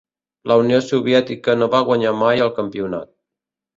La Unió Soviètica no va guanyar mai el campionat.